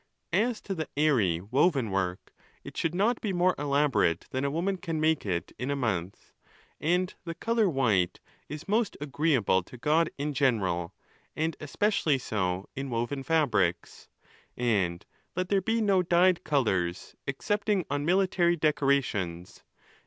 As to the airy woven work, it should not be more elaborate than a woman can make it in a month. And the colour white is most agreeable to God, in general, and especially so in woven fabrics. And let there be no dyed colours, excepting on military decorations.